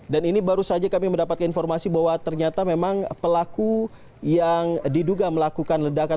dan ini baru saja kami mendapatkan informasi bahwa ternyata memang pelaku yang diduga melakukan ledakan